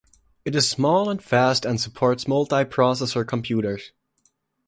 It is small and fast and supports multiprocessor computers.